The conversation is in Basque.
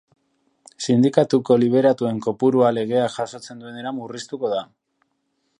Sindikatuko liberatuen kopurua legeak jasotzen duenera murriztuko da.